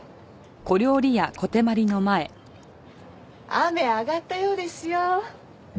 雨上がったようですよ。